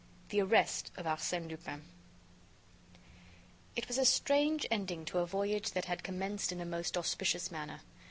The Arrest of Arsène Lupin It was a strange ending to a voyage that had commenced in a most auspicious manner.